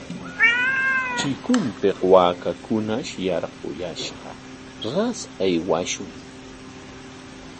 Chikunpik waakakunash yarquyashqa, sas aywashun.